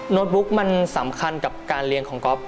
บุ๊กมันสำคัญกับการเลี้ยงของก๊อฟ